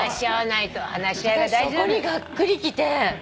私そこにがっくりきて。